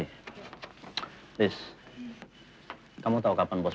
kelanjutnya di council